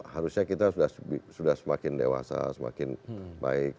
harusnya kita sudah semakin dewasa semakin baik